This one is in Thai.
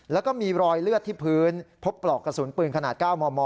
แล้วก็มีรอยเลือดที่พื้นพบปลอกกระสุนปืนขนาด๙มม